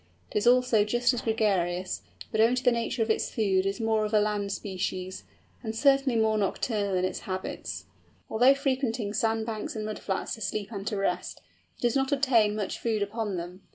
It is also just as gregarious, but owing to the nature of its food is more of a land species, and certainly more nocturnal in its habits. Although frequenting sand banks and mud flats to sleep and to rest, it does not obtain much food upon them.